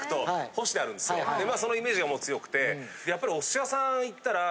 そのイメージがもう強くてやっぱりお寿司屋さん行ったら。